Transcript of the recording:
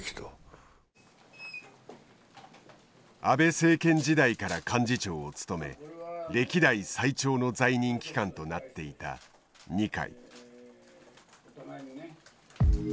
安倍政権時代から幹事長を務め歴代最長の在任期間となっていた二階。